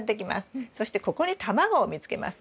そしてここに卵を産みつけます。